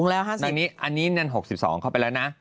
แล้วอันนี้๖๒เข้าไปแล้วนะ